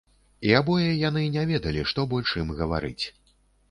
І абое яны не ведалі, што больш ім гаварыць.